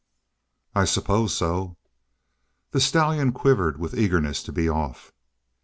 "I suppose so." The stallion quivered with eagerness to be off.